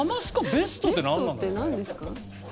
「ベスト」ってなんですか？